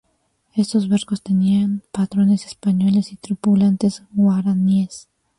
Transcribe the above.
Estos barcos tenían patrones españoles y tripulantes guaraníes.